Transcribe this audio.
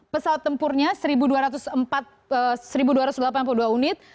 pesawat tempurnya satu dua ratus delapan puluh dua unit